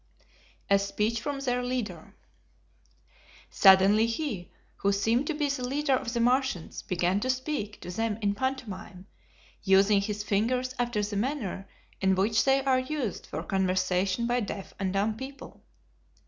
A Speech from Their Leader. Suddenly he who seemed to be the leader of the Martians began to speak to them in pantomime, using his fingers after the manner in which they are used for conversation by deaf and dumb people.